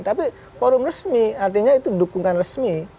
tapi forum resmi artinya itu dukungan resmi